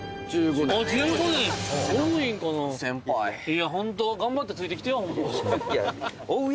「いやホント頑張ってついてきてや」